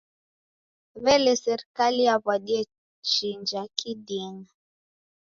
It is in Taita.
W'elee, serikaliyaw'adie chija kiding'a?